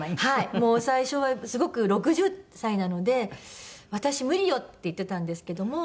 もう最初はすごく６０歳なので「私無理よ」って言ってたんですけども